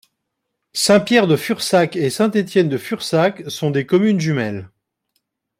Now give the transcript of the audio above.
Saint-Pierre-de-Fursac et Saint-Étienne-de-Fursac sont des communes jumelles.